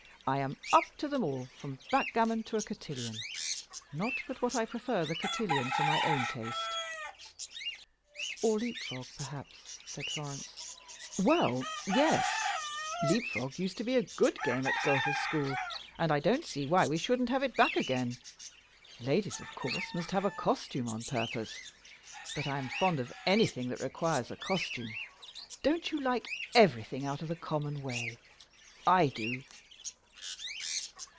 I am up to them all, from backgammon to a cotillon, not but what I prefer the cotillon for my own taste." "Or leap frog, perhaps," suggested Florence. "Well, yes; leap frog used to be a good game at Gother School, and I don't see why we shouldn't have it back again. Ladies, of course, must have a costume on purpose. But I am fond of anything that requires a costume. Don't you like everything out of the common way? I do."